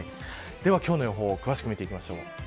では今日の予報を詳しく見ていきましょう。